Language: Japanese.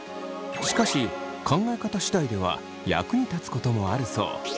しかし考え方次第では役に立つこともあるそう。